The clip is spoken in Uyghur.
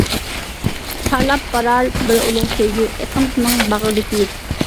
پارلاپ بارار بىر ئۇلۇغ سۆيگۈ، ئېقىن سۇنىڭ باغرىدا كۆيۈپ.